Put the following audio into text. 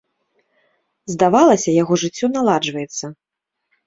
Здавалася, яго жыццё наладжваецца.